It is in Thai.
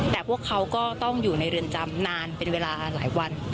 แต่พวกเขาก็ต้องอยู่ในเรือนจำนานเป็นเวลาหลายวัน